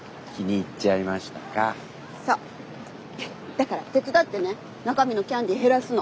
だから手伝ってね中身のキャンディー減らすの。